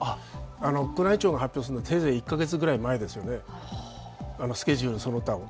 宮内庁が発表するのはせいぜい１カ月くらい前ですよね、スケジュールその他を。